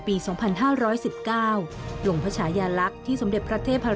ในธรรมนาที่ถวายพระฉายาลักษมณ์แห่งความประทับใจนี้